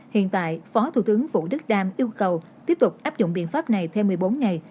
hiện tại phó thủ tướng vũ đức đam yêu cầu tiếp tục áp dụng biện pháp này thêm một mươi bốn ngày